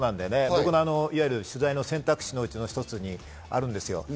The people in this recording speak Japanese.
僕の取材の選択肢のうちの一つにあるんです。